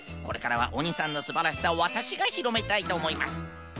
これからはおにさんのすばらしさをわたしがひろめたいとおもいます。